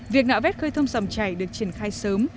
việc ngạo vét khơi thơm sầm chảy được triển khai sớm